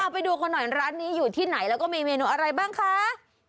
ไปดูกันหน่อยร้านนี้อยู่ที่ไหนแล้วก็มีเมนูอะไรบ้างคะ